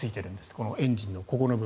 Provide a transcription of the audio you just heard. このエンジンのところに。